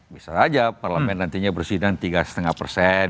bisa saja parlamen nantinya bersihkan